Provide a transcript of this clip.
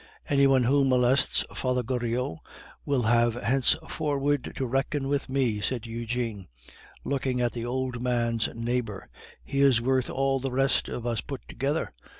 "Any one who molests Father Goriot will have henceforward to reckon with me," said Eugene, looking at the old man's neighbor; "he is worth all the rest of us put together.